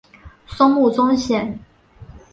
松木宗显。